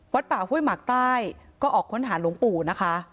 ป่าห้วยหมากใต้ก็ออกค้นหาหลวงปู่นะคะ